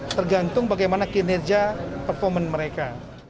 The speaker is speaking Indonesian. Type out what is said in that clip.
tergantung bagaimana kinerja performance mereka